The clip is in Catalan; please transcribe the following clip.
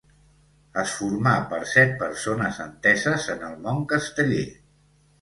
Es formà per set persones enteses en el món casteller.